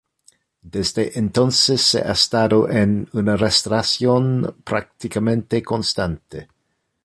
Desde entonces ha estado en una restauración prácticamente constante.